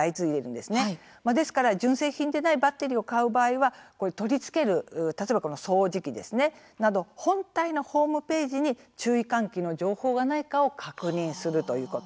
ですから純正品でないバッテリーを買う場合は取り付ける、例えば掃除機など本体のホームページに注意喚起の情報がないかを確認するということ。